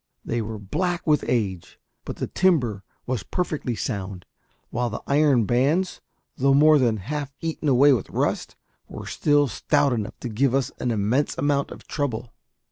They were black with age; but the timber was perfectly sound, while the iron bands, though more than half eaten away with rust, were still stout enough to give us an immense amount of trouble.